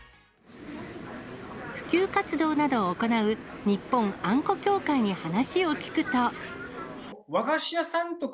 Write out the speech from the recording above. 普及活動などを行う日本あんこ協会に話を聞くと。